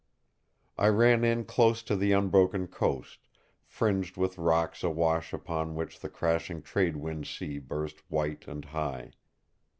I ran in close to the unbroken coast, fringed with rocks awash upon which the crashing trade wind sea burst white and high.